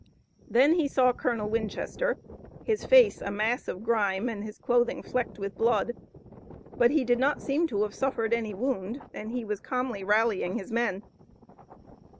Then he saw Colonel Winchester, his face a mass of grime and his clothing flecked with blood. But he did not seem to have suffered any wound and he was calmly rallying his men.